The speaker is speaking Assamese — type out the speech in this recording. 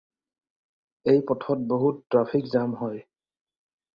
এই পথত বহুত ট্ৰেফিক জাম হয়।